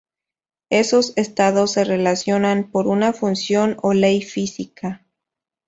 Esos estados se relacionan por una función o ley física.